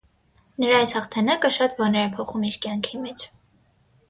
Նրա այս հաղթանակը շատ բաներ է փոխում իր կյանքի մեջ։